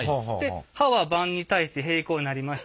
刃は盤に対して平行になりました。